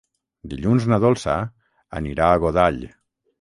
Dilluns na Dolça anirà a Godall.